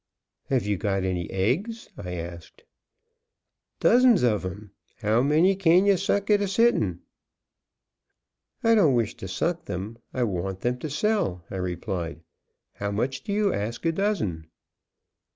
"Have you got any eggs?" I asked. "Dozens of 'em. How many kin ye suck at a sittin'?" "I don't wish to suck them; I want them to sell," I replied. "How much do you ask a dozen?"